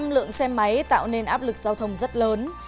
một mươi một lượng xe máy tạo nên áp lực giao thông rất lớn